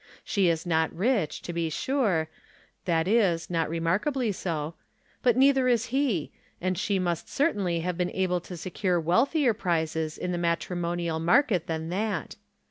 She is not rich, to be sure — that is, not remarkably so — but nei ther is he, and she must certainly have been able to secure wealthier prizes in the matrimonial mar ket than that.